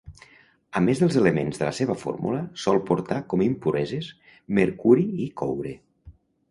A més dels elements de la seva fórmula, sol portar com impureses: mercuri i coure.